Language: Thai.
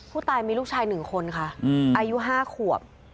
ผู้ตายมีลูกชาย๑คนค่ะอายุ๕ขวบ